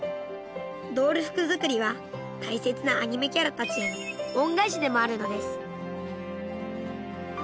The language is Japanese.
ドール服作りは大切なアニメキャラたちへの恩返しでもあるのです。